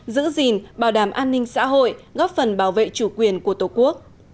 giữ gìn bảo đảm an ninh xã hội góp phần bảo vệ chủ quyền của tổ quốc